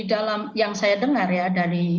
dalam yang saya dengar ya dari